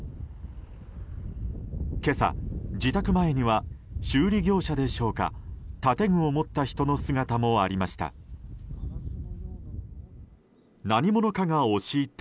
今朝、自宅前には修理業者でしょうか建具を持った人の姿もありました。